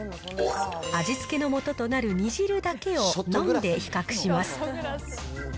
味付けのもととなる煮汁だけを、飲んで比較します。